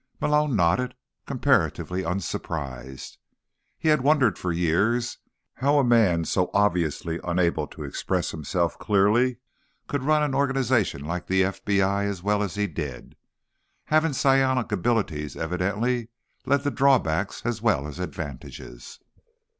Malone nodded, comparatively unsurprised. He'd wondered for years how a man so obviously unable to express himself clearly could run an organization like the FBI as well as he did. Having psionic abilities evidently led to drawbacks as well as advantages.